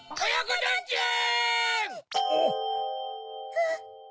あっ。